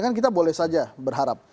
kan kita boleh saja berharap